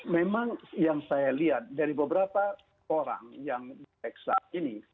memang yang saya lihat dari beberapa orang yang diperiksa ini